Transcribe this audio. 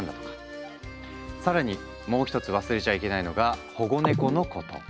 更にもう一つ忘れちゃいけないのが「保護猫」のこと。